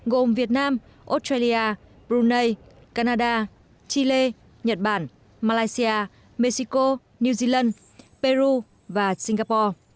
gồm việt nam australia brunei canada chile nhật bản malaysia mexico new zealand peru và singapore